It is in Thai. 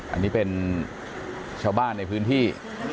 อันนี้เป็นชาวบ้านในพื้นที่